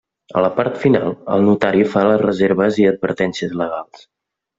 A la part final el Notari fa les reserves i advertències legals.